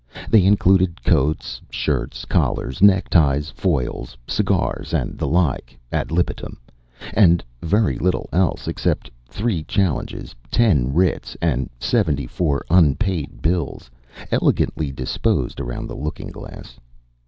They included coats, shirts, collars, neckties, foils, cigars, and the like ad libitum; and very little else except three challenges, ten writs, and seventy four unpaid bills, elegantly disposed around the looking glass.